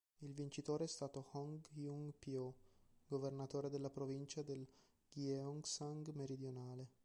Il vincitore è stato Hong Jun-pyo, governatore della provincia del Gyeongsang Meridionale.